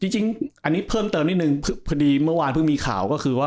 จริงอันนี้เพิ่มเติมนิดนึงพอดีเมื่อวานเพิ่งมีข่าวก็คือว่า